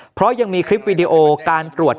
เพราะยังมีคลิปวิดีโอการตรวจ